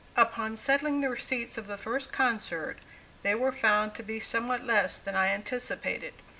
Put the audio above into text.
Upon settling the receipts of the first concert, they were found to be somewhat less than I anticipated.